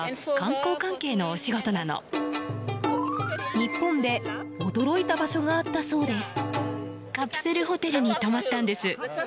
日本で驚いた場所があったそうです。